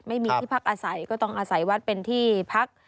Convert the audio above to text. ไม่มีที่พักอาศัยก็ต้องอาศัยวัดเป็นที่พัก